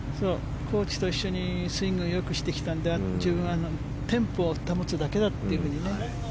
コーチと一緒にスイングをよくしてきたので自分はテンポを保つだけだというふうに。